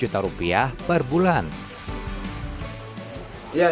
setidaknya penjualan ikan cupang